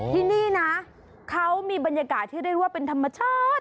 ที่นี่นะเขามีบรรยากาศที่เรียกว่าเป็นธรรมชาติ